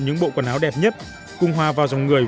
những bộ quần áo đẹp nhất cung hòa vào dòng người